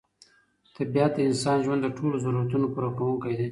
طبیعت د انساني ژوند د ټولو ضرورتونو پوره کوونکی دی.